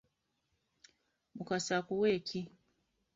Mukasa akuwe ki?